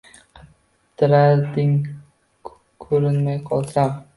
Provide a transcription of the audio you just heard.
Qidirarding kurinmay qolsam